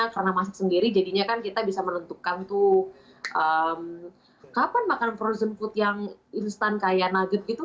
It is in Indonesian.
karena masak sendiri jadinya kan kita bisa menentukan tuh kapan makan frozen food yang instan kayak nugget gitu